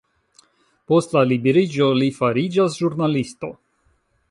Post la liberiĝo li fariĝas ĵurnalisto.